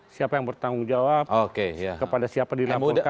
siapa yang bertanggung jawab kepada siapa dilaporkan